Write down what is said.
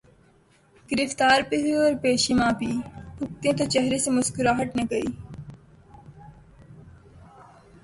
گرفتار بھی ہوئے اورپیشیاں بھی بھگتیں تو چہرے سے مسکراہٹ نہ گئی۔